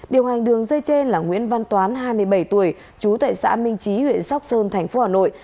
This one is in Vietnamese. điều hành đường dây trên là nguyễn văn toán hai mươi bảy tuổi trú tại xã minh chí huyện sóc sơn tp hà nội